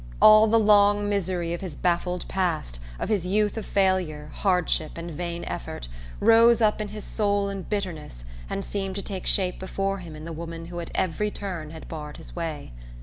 All the long misery of his baffled past, of his youth of failure, hardship and vain effort, rose up in his soul in bitterness and seemed to take shape before him in the woman who at every turn had barred his way.